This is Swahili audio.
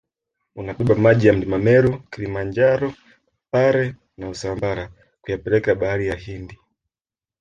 unabeba maji ya mlima meru Kilimanjaro pare na usambara kuyapeleka bahari ya hindi